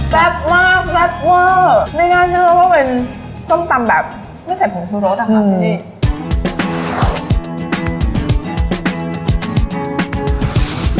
แป๊บมากแป๊บเวิร์ดไม่งั้นก็เป็นส้มตำแบบไม่ใช่ผงสุโรสอะค่ะอื้อ